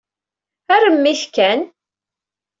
Arem-it kan.